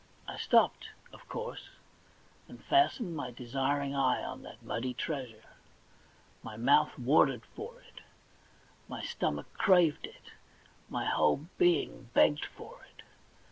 I stopped, of course, and fastened my desiring eye on that muddy treasure. My mouth watered for it, my stomach craved it, my whole being begged for it.